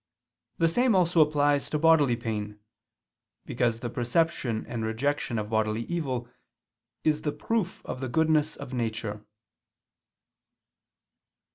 The same also applies to bodily pain: because the perception and rejection of bodily evil is the proof of the goodness of nature.